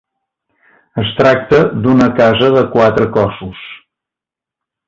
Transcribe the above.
Es tracta d'una casa de quatre cossos.